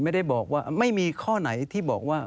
ไม่ได้บอกว่าไม่มีข้อไหนที่บอกว่า